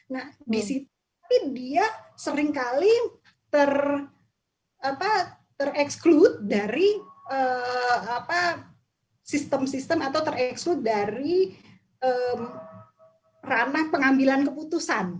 nah di situ dia seringkali ter ter ter exclude dari sistem sistem atau ter exclude dari peran pengambilan keputusan